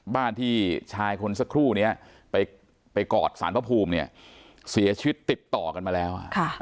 บ้านที่ชายคนสักครู่นี้ไปกอดสารพระภูมิเนี่ยเสียชีวิตติดต่อกันมาแล้ว